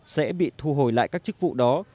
sẽ bị thu hồi lại các chức vụ đó